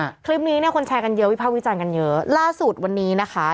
คลิปนี้เนี้ยคนแชร์กันเยอะวิภาควิจารณ์กันเยอะล่าสุดวันนี้นะคะ